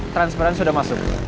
transferan sudah masuk